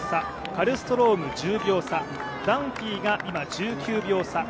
カルストローム、１０秒差ダンフィーが今１９秒差